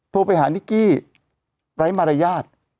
โทรไปหานิกกี้ไร้มารยาท